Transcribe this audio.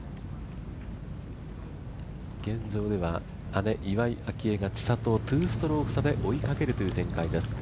現状では姉・岩井明愛が千怜をツーストローク差で追いかけるという展開です。